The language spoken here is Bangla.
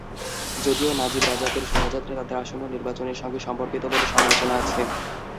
যদিও নাজিব রাজাকের শোভাযাত্রা তাদের আসন্ন নির্বাচনের সঙ্গে সম্পর্কিত বলে সমালোচনা আছে।